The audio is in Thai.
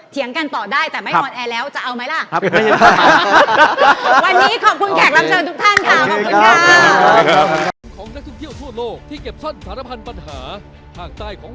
กันต่อได้แต่ไม่ออนแอร์แล้วจะเอาไหมล่ะ